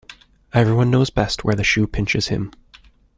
Everyone knows best where the shoe pinches him.